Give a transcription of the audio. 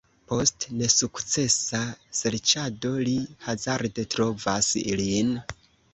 Post nesukcesa serĉado, li hazarde trovas lin.